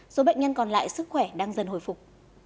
số bệnh nhân còn lại sức khỏe đang dần hồi phục